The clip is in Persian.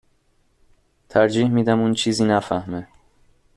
ترجیح میدم اون چیزی نفهمه